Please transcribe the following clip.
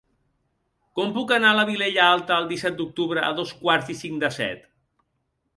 Com puc anar a la Vilella Alta el disset d'octubre a dos quarts i cinc de set?